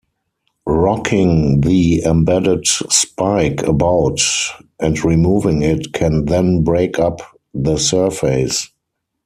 Rocking the embedded spike about and removing it can then break up the surface.